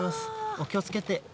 お気をつけて。